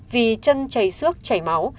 vì chân chảy xước chảy máu